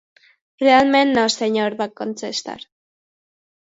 "Realment no, senyor", vaig contestar.